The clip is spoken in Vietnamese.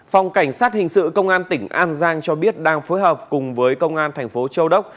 phòng cảnh sát hình sự công an tỉnh an giang cho biết đang phối hợp cùng với công an thành phố châu đốc